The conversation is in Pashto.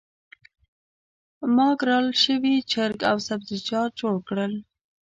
ما ګرل شوي چرګ او سبزیجات جوړ کړل.